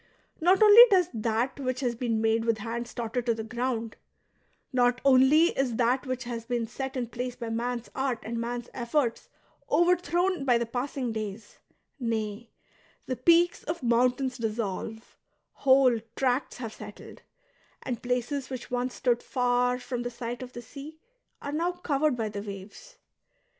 ^' Not only does that which has been made with hands totter to the ground, not only is that which has been set in place by man's art and man's efforts overthrown by the passing days ; nay, the peaks of mountains dissolve, whole tracts have settled, and places which once stood far from the sight of the sea ai'e now covered by the waves.